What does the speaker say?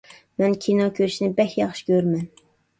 مەن كىنو كۆرۈشنى بەك ياخشى كۆرىمەن.